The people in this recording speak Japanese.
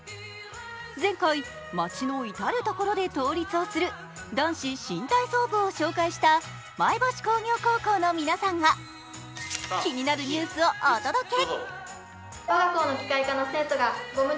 前回、街の至る所で倒立をする男子新体操部を紹介した前橋工業高校の皆さんが気になるニュースをお届け。